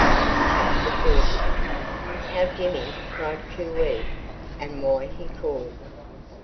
CHAPTER FORTY. HOW JIMMY CRIED "COOEE!" AND WHY HE CALLED.